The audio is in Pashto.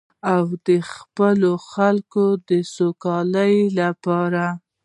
او د خپلو خلکو د سوکالۍ لپاره.